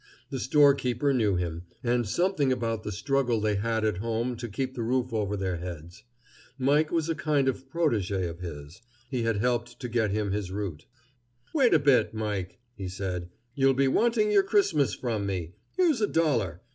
The storekeeper knew him, and something about the struggle they had at home to keep the roof over their heads. Mike was a kind of protégé of his. He had helped to get him his route. "Wait a bit, Mike," he said. "You'll be wanting your Christmas from me. Here's a dollar.